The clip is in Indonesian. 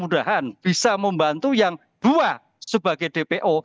mudah mudahan bisa membantu yang dua sebagai dpo